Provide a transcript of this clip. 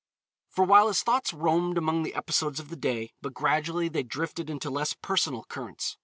For a while his thoughts roamed among the episodes of the day, but gradually they drifted into less personal currents.